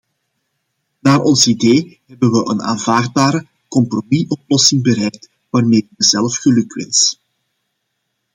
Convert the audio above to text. Naar ons idee hebben we een aanvaardbare compromisoplossing bereikt, waarmee ik mezelf gelukwens.